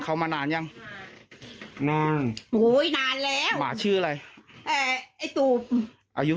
เขาเมาเขาเมาแล้วก็บอกว่าให้ออกจากห้องเถอะติ๊ก